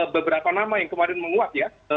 beberapa nama yang kemarin menguap ya